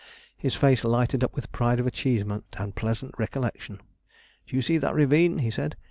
His face lighted up with pride of achievement and pleasant recollection. "Do you see that ravine?" he said.